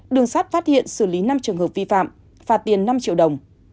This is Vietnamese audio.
đường sát phát hiện xử lý năm trường hợp vi phạm phạt tiền năm triệu đồng